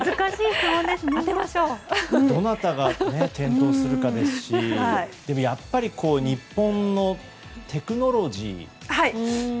どなたが点灯するかですしでもやっぱり日本のテクノロジー。